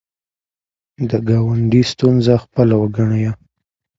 د ګاونډي ستونزه خپله وګڼئ